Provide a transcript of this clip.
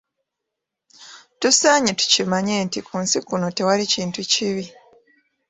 Tusaanye tukimanye nti ku nsi kuno tewali kintu kibi.